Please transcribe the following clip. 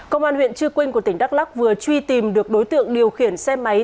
công an huyện chư quynh của tỉnh đắk lắc vừa truy tìm được đối tượng điều khiển xe máy